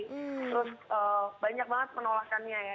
terus banyak banget penolakannya ya